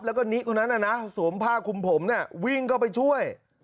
แล้วก็นิคนนั้นน่ะนะสวมผ้าคุมผมวิ่งเข้าไปช่วย